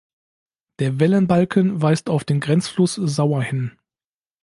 Der Wellenbalken weist auf den Grenzfluss Sauer hin.